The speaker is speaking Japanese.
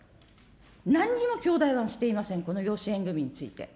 なんにも教団はしていません、この養子縁組みについて。